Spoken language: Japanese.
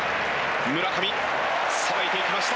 村上さばいていきました。